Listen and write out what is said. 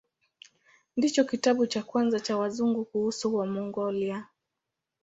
Ndicho kitabu cha kwanza cha Wazungu kuhusu Wamongolia.